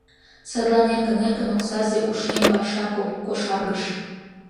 Садлан эркын-эркын оксазе ушем паша кошаргыш.